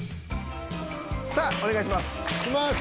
さぁお願いします。